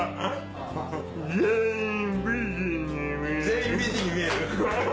全員美人に見える？